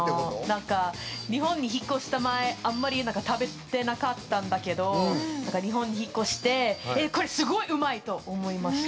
日本に引っ越した前はあんまり食べてなかったんだけど日本に引っ越してこれ、すごいうまいと思いました。